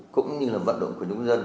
cũng như là vận động của những người dân